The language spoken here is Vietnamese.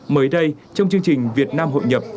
mới đây trong chương trình việt nam hội nhập